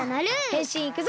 へんしんいくぞ！